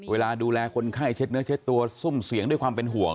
เวลาดูแลคนไข้เช็ดเนื้อเช็ดตัวซุ่มเสียงด้วยความเป็นห่วง